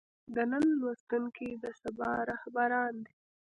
د نن لوستونکي د سبا رهبران دي.